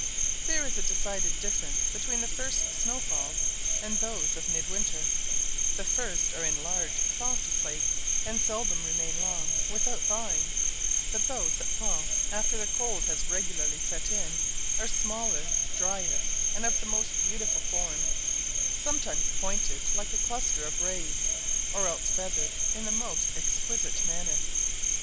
There is a decided difference between the first snow falls and those of mid winter; the first are in large soft flakes, and seldom remain long without thawing, but those that fall after the cold has regularly set in are smaller, drier, and of the most beautiful forms, sometimes pointed like a cluster of rays, or else feathered in the most exquisite manner.